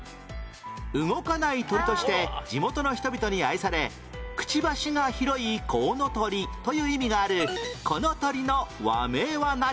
動かない鳥として地元の人々に愛されくちばしが広いコウノトリという意味があるこの鳥の和名は何？